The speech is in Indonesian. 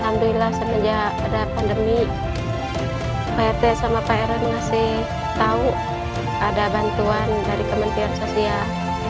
alhamdulillah semenjak ada pandemi prt sama prn ngasih tahu ada bantuan dari kementerian sosial